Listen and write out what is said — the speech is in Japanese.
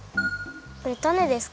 これタネですか？